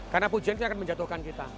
karena pujian itu akan menjatuhkan kita